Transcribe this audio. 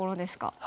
はい。